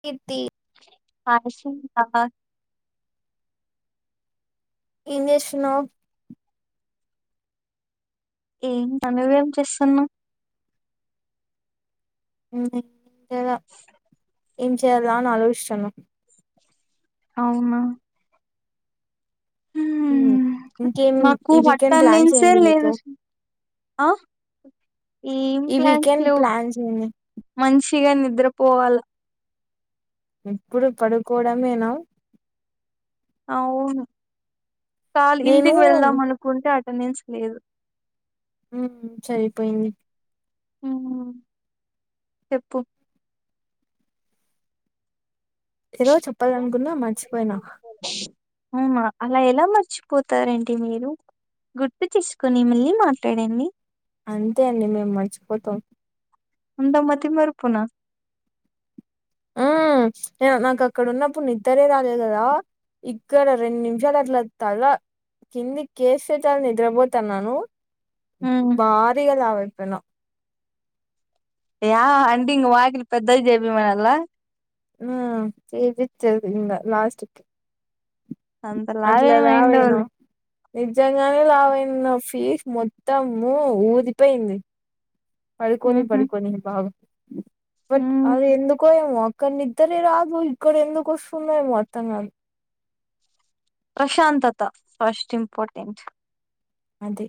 కీర్తి ఆ విష్యంలా ఏంచేస్తునవ్ ఏం పా నువు ఎమ్ చేస్తున్నావు ఉమ్ ఇగ ఏం చేయ్యాలా అని ఆలోచిస్తున్న అవునా ఉమ్ ఇంకేం నాకు ఈ హట్ట వీకెండ్ ప్లాన్స్ అన్నించే ఏంది నీకు లేదు హ ఎమ్ ఈ ప్లాన్స్ వీకెండ్ లేవు ప్లాన్స్ ఏంది మంచిగా నిద్ర పోల్ ఇప్పుడు పడుకోవడమేనా అవును కాళ నేను ఇంటికి వెళ్దాం అనుకుంటే అ నించలేదు హ్మ్ సరిపోయింది హ్మ్ చెప్పు ఏదో చెప్పాలనుకుందా మర్చిపోయినా అవునా అలా ఎలా మర్చిపోతారండి మీరు గుర్తు తీసుకొని మళ్ళీ మాట్లాడండి అంతే అండి మేము మర్చిపోతాం అంత మతి మరిపునా నాకు అక్కడ ఉన్నప్పుడు నిద్దరే రాలేదు కదా ఇక్కడ రెండు నిమిషాలు అట్లా తల కింది కేస్ చేటాలని నిద్రపోతున్నాను హ్మ్ భారీగా లవ్వులుపోయా యా అంటే వాకిలి పెద్దగ జెయ్యిపిమనాలా హ్మ్ చెయ్యపించేది ఇంద లాస్ట్కి అంత లావెం అయ్యుండవులే నిజంగానే లావైన ఫీస్ మొత్తము ఊదిపోయింది పడికోని ఊహూ పడికోని బాగు బట్ హ్మ్ అది ఎందుకో ఇంగ కాని నిద్దరే రాదు ఇక్కడ ఎందుకు వస్తుందో ఏమో అర్థంకాదు ప్రశాంతత ఫస్ట్ ఇంపార్టెంట్ అంతే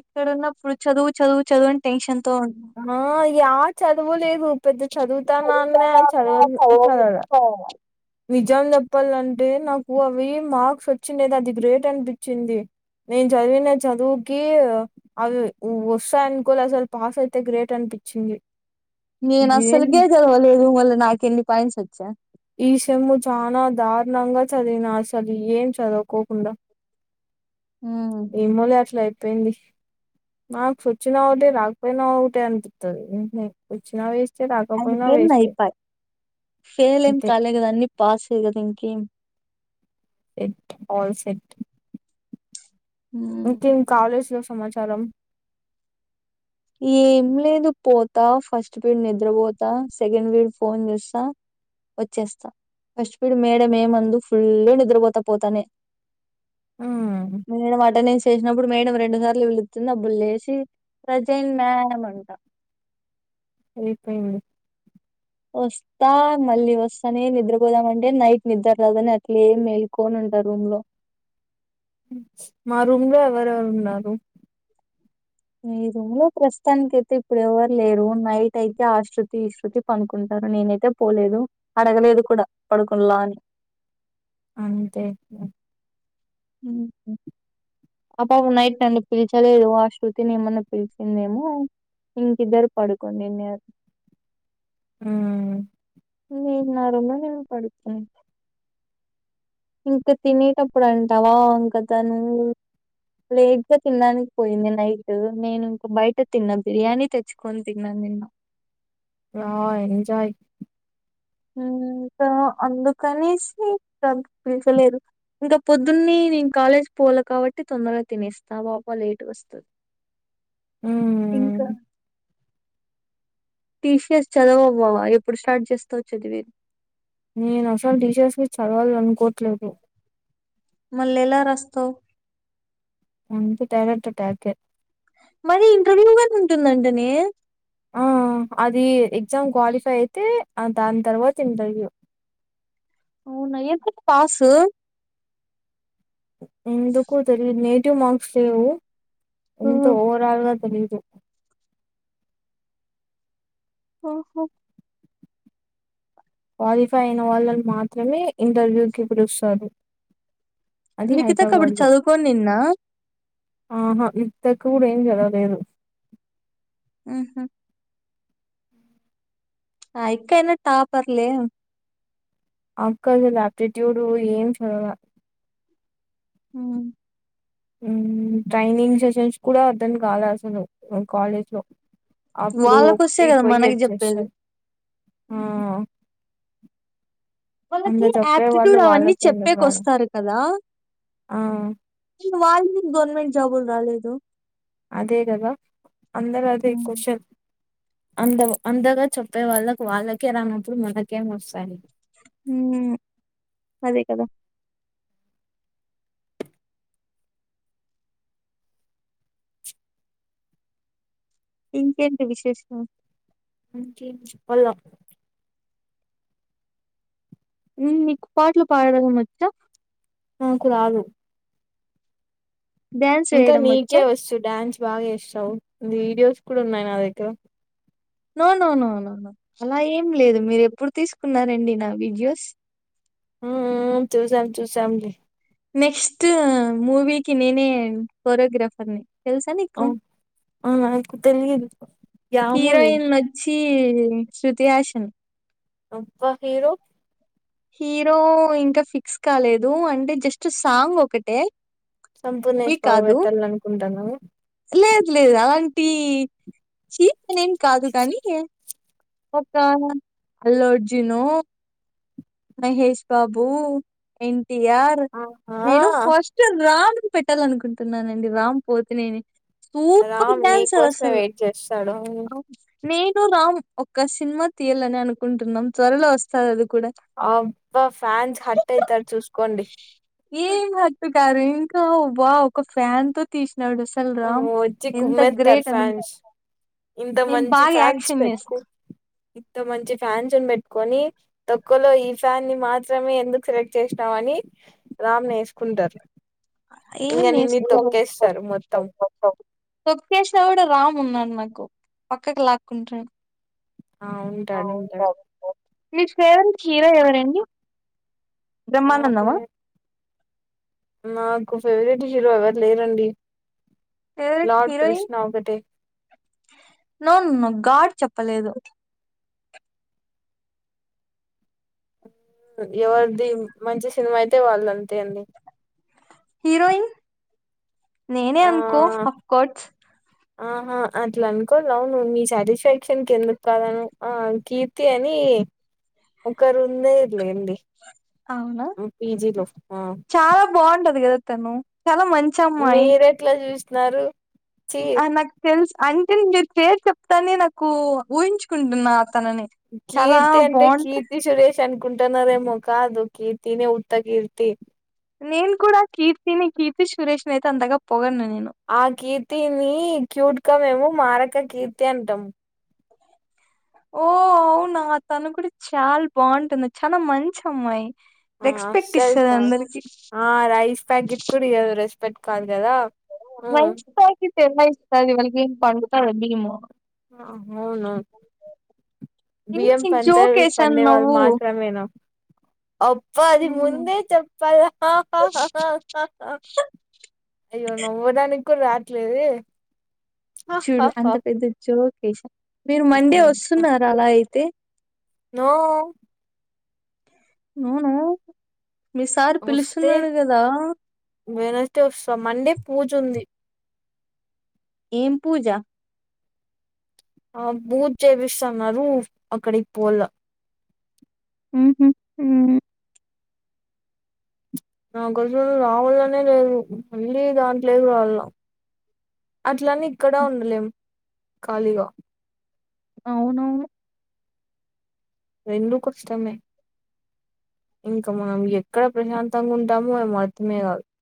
ఇక్కడ ఉన్నప్పుడు చదువు చదువు చదువు అని టెన్షన్ తో ఉన్నా ఆ యా చదువులేదు పెద్ద చదువుతా నాన్నే చదువుతానే ఉన్నా చదవదు చదవను చదవల చదవను నిజ్జం చెప్పాలంటే నాకు అవి మార్క్స్ వచ్చిండేది అది గ్రేట్ అనిపించింది నేను చదివిన చదువుకి అవి వస్తాయనుకోలె అసలు పాస్ అయితే గ్రేట్ అనిపిచింది నేను అస్సలుకే చదవలేదు మళ్ళా నాకు ఎన్ని పాయింట్సు వ చ ఈ సెమ్ చానా దారుణంగా చదివినా అసలు ఏం చదువుకోకుండా ఉమ్ ఏమోలే అట్లా ఐ పోయింది మార్క్స్ వచ్చిన ఒకటే రాకపోయినా ఒకటే అనిపిత్తది వచ్చినా వేస్టే రాకపోయినా వేస్టే ఫెయిల్లేం అంతే కాలే కదా అన్నీ పాసే కదా ఇంకేం సెట్ ఆల్ సెట్ ఉమ్ ఇంకేం కాలేజ్ లో స్ సమాచారం ఏం లేదు పోతా ఫస్ట్ పిరీడ్ నిద్రపోతా సెకండ్ పిరీడ్ ఫోన్ చూస్తా వచ్చేస్తా ఫస్ట్ పిరీడ్ మేడం ఏమందు ఫుల్ నిద్రపోతా పోతానే మ్మ్ మేడం అటెండెన్స్ చేసినప్పుడు మేడం రెండు సార్లు [unintelligible] అప్పుడు లేసి ప్రజెంట్ మేడం అంటా హుహు వస్తా మళ్ళీ వస్తానే నిద్రపోదామంటే నైట్ నిద్ర లేదని, అట్లే మేలుకోని ఉంటా రూమ్ లో మా రూమ్ లో ఎవరెవరు ఉన్నారు? మీ రూంలో ప్రస్తుతానికి అయితే ఇప్పుడు ఎవరు లేరు, నైట్ అయితే ఆశృతి ఈశృతి పనుకుంటారు నేనైతే పోలేదు అడగలేదు కూడా పడుకుంలా అని అంతే అబొవె నైట్ నన్ను పిలిచలేదు ఆ శృతిని ఎమన్నా పిలిచిందేమో ఇంకిద్దరు పడుకోండిన్నారు. మ్మ్ ఉమ్ నా రూమ్ లో నేను పడుకున్ ఇంక తినేటప్పుడు అంటావా ఇంక తను లేట్గా తినడానికి పోయింది నైటు, నేను ఇంక బయట తిన్న బిర్యానీ తెచ్చుకొని తిన్నాను నేను వావ్ ఎంజాయ్. ఉమ్ ఇంకా అందుకనేసి ప్రగ్ పిలిచలేదు ఇంక పోదున్నే నేను కాలేజ్ పోలే కావటి తొందరగా తినేస్తా వావ్వా లేటుగ వస్తది. ఇంకా మ్మ్ టీసీఎస్ చదవవా ఎప్పుడు స్టార్ట్ చేస్తావ్ చదివేది? నేను అసలు టీసీఎస్ కి చదవాలనీకోట్లేదు. మల్ల ఎలా రాస్తావ్? అంత డైరెక్ట్ ఎటాకే మరి ఇంటర్వ్యూగాని ఉంటుందంటనే. ఆ అది ఎగ్జామ్ క్వాలిఫై అయితే ఆ దాని తర్వాత ఇంటర్వ్యూ. అవునా ఎక్కువ పాసు [unintelligible] ఎందుకు తెలియనిర్ టి మార్క్స్ లేవు ఉంత ఓవరాల్గా తెలీదు ఓహో క్వాలిఫై అయిన వాళ్ళని మాత్రమే ఇంటర్వ్యూకి పిలుస్తారు. అది లిఖితక్క అప్పుడు హైదరాబాద్ లో చదువుకోనిన్న? ఆహా లిఖితక్క కూడా ఏం చదవలేదు. ఉహ్ ఉమ్ ఆ అక్క అయిన టాపర్లే ఆ అక్కది ఆప్టిట్యూడ్ ఏం చదవలే. ఉమ్ ఉమ్ ట్రైనింగ్ సెషన్స్ కూడా అటెండ్ కాలే అసలు ఉమ్ కాలేజ్ లో అప్పుడు వాళ్ళకొస్తే ఒకటి కదా పోయి మనకి చెప్పేది వచేసర్ ఆ వాళ్ళకి అందరు చెప్పే వాళ్ళు ఆప్టిట్యూడ్ అవన్నీ వాళ్ళకే ఎందుకు రాలే చెప్పేకస్తారు కదా? ఆ వాళ్ళు గవర్నమెంట్ జాబులు రాలేదు. అదే కదా అందరు అదే ఉమ్. కోశన్. అంద అందరూ చెప్పే వాళ్ళకు వాళ్ళకే రానప్పుడు మనకేం వస్తాయ్. ఉమ్ అదే కదా ఇంకేంటి విశేషం? చెప్పాల మీ మీకు పాటలు పాడడం వచ్చా నాకు రాదు. డాన్స్ ఇంకా వేయడం వచ్చా నీకే వచ్చు డ్యాన్స్ బాగా వేస్తావ్ వీడియోస్ కూడా ఉన్నాయి నా దగ్గర no no no no no అలా ఏం లేదు మీరు ఎప్పుడు తీసుకున్నారండి నా వీడియోస్ చాలే నెక్స్ట్ మూవికి నేనే కోరీయోగ్రాఫర్ని అవును ఆ నాకు తెలియదు యావ్ మూవీ హీరోయిన్ నచ్చి ఈ శృతిహాసన్ అబ్బ హీరో హీరో ఇంకా ఫిక్స్ కాలేదు అంటే జస్ట్ సాంగ్ ఒకటే మూవీ సంపూర్ణేష్ బాబు కాదు. పెట్టాల అనుకుంటాన హి చి న ఏం కాదు గాని ఒక అల్లుఅర్జునో మహేష్ బాబు ఎన్ యార్ ఆహా నేను ఫస్ట్ రౌండ్ పెట్టాలనుకుంటున్నానండి రామ్ పోతినేని సూపర్ రామ్ నీ డ్యాన్సర్ కోసమే అసలు వెయిట్ చేస్తాడు నేను రామ్ ఒక్క సినిమా తీయాలని అనుకుంటున్నాం త్వరలో వస్తాది అది కూడా అబ్బా ఫ్యాన్స్ హట్ అయితారు చూస్కోండి సరి ఇంకా వావ్ ఒక ఫ్యాన్ తో తీసు నడుసల్ రామ్ వచ్చి ఎంత కుమ్మేస్తారు గ్రేట్ అ ఫ్యాన్స్ ఇంత మంచి ఫ్యాన్స్ పెట్టుకు ఇంత మంచి ఫ్యాన్స్ అని పెట్టు కొని తొక్కులో ఈ ఫ్యాన్ని మాత్రమే ఎందుకు సెలెక్ట్ చేసినావని రామ్ నేసుకుంటారు ఏమి ఏసుకోరు మొత్తం తోకేసిన కూడా రామ్ ఉన్నాడు నాకు పక్కకులాకుంట ఆ ఉంటాడు ఉంటాడు మీ ఫేవరెంట్ హీరో ఎవరండి బ్రహ్మానందం ఆ మాకు ఫేవరెట్ హీరో ఎవరు లేదు రండి ఫవరెట్ హీరోయిన్ నో నో గార్డ్ చెప్పలేదు ఎవరిది మంచి సినిమా అయితే వాళ్ళ అంతే అండి హీరోయిన్ నేనే ఆ అనుకో ఆఫ్ కోర్ట్స్ ఆహా అట్లా అనుకోవాలవును నీ సాటిస్ఫెక్షన్ కి ఎందుకు కాదను ఆ కీర్తి అనీ ఒకరుండే అవునా పీజీలో ఆ చాలా బావుంటది కదా తను చాలా మంచి మీరెట్లా చూస్త న్నారు అ నాకు తెల్సు అంటే మీరు పేర్ చెప్తానే నాకు ఊహించుకుంటున్నా తనని చాలా బావుంట ష్ కుంటనరేమొకాదు కీర్తీ నెల ఉత్త కీర్తీ నేను కూడా కీర్తిని కీర్తి సురేష్ ని అయితే అంతగా పోగడను నేను ఆ కీర్తి నీ క్యూట్ గా మేము మారక కీర్తి అంటాం ఓ అవునా తను కూడా చాలా బాగుంటుంది చాలా మంచి అమ్మాయి ఆఫ్ రెస్పెక్ట్ ఇస్తది శారీకా అందరికి ఆ రైస్ ప్యాకెట్ కుడ ఇయ్యదు రష్ ప్పట్టు కాదు కదా ఉమ్, మంచి [unintelligible] వ ఇవళకి ఏన్ [unintelligible] పండుతాయ బియము అవును బియ్యం చిన్న పంటే జోక్ వేసాను పండేవాళ్ళు నవ్వు మాత్రమేన అబ్బ అది ముందే చెప్ పల్ల అయ్యోనవ్వడానికి కుక్క రావట్లేదె చూడు అంత పెద్ద జో కెసా మీరు మండే వస్తున్నార అలా అయితే నో నొ నో వస్తే వెనస్ డె వ మన్ండే పూజుంది ఏం పూజ ఆ బూజ చేపిస్తున్నారు అక్కడికి పోల హు హు హృ నాకోసం రావాలనే లేదు మళ్ళీ దాంట్లోదు రాళ్ళ అట్లనే ఇక్కడా ఉండలేము ఖాళీగా అవును అవును రెండు కష్టమే ఇంకా మనం ఎక్కడ ప్రశాంతంగా ఉంటామో అ అర్థమే కాదు